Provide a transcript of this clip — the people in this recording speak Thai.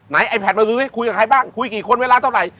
ไหนไอ้แผดมาดูด้วยคุยกับใครบ้างคุยกี่คนเวลาเท่าไหร่